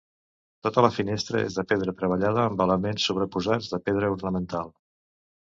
Tota la finestra és de pedra treballada amb elements sobreposats de pedra ornamental.